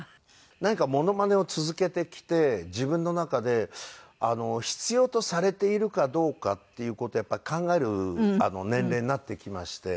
何かモノマネを続けてきて自分の中で必要とされているかどうかっていう事をやっぱり考える年齢になってきまして。